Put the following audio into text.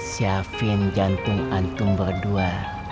siapin jantung antum berdua